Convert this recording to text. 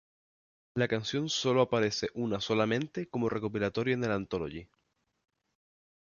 La canción solo aparece una solamente como recopilatorio en el "Anthology".